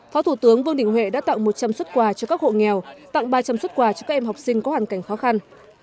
phó thủ tướng vương đình huệ đã tặng một trăm linh xuất quà cho các hộ nghèo tặng ba trăm linh xuất quà cho các em học sinh có hoàn cảnh khó khăn